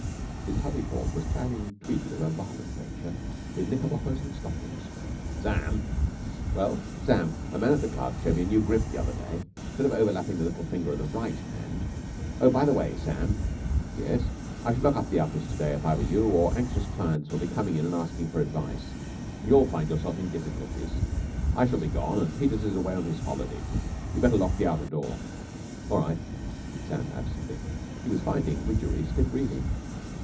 His tubby form was clad in tweed of a violent nature, with knickerbockers and stockings. "Sam!" "Well?" "Sam, a man at the club showed me a new grip the other day. Instead of overlapping the little finger of the right hand ... Oh, by the way, Sam." "Yes?" "I should lock up the office to day if I were you, or anxious clients will be coming in and asking for advice, and you'll find yourself in difficulties. I shall be gone, and Peters is away on his holiday. You'd better lock the outer door." "All right," said Sam absently. He was finding Widgery stiff reading.